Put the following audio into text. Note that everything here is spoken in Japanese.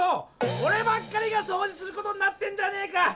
おればっかりがそうじすることになってんじゃねえか！